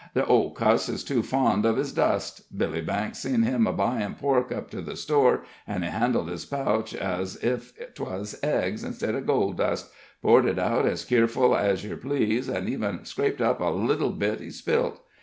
"The old cuss is too fond uv his dust. Billy Banks seen him a buyin' pork up to the store, an' he handled his pouch ez ef 'twas eggs instid of gold dust poured it out as keerful ez yer please, an' even scraped up a little bit he spilt.